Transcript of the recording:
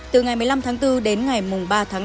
từ ngày một mươi năm tháng bốn đến ngày ba tháng năm